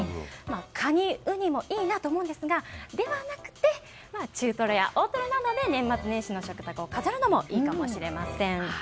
カニ、ウニもいいなと思うんですがではなくて中トロや大トロなどで年末年始の食卓を飾るのもいいかもしれません。